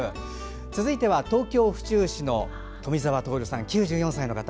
続いては東京都府中市の富澤徹さん、９４歳の方。